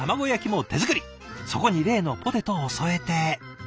そこに例のポテトを添えて。